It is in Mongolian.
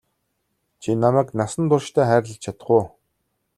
Чи намайг насан туршдаа хайрлаж чадах уу?